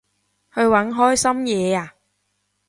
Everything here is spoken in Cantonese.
去搵開心嘢吖